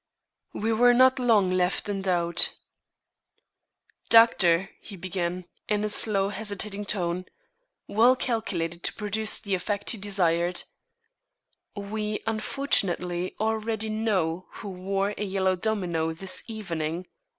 We were not long left in doubt. "Doctor," he began, in a slow, hesitating tone, well calculated to produce the effect he desired, "we unfortunately already know who wore a yellow domino this evening.